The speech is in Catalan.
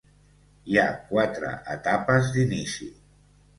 Hi ha quatre etapes d'inici.